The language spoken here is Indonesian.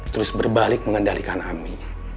terus berbalik mengendalikan ami